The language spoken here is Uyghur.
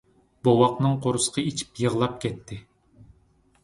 بوۋاقنىڭ قورسىقى ئېچىپ يىغلاپ كەتتى.